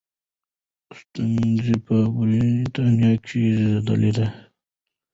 سټيونز په بریتانیا کې زېږېدلی و.